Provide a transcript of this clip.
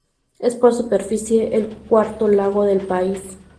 Es, por superficie, el cuarto lago del país.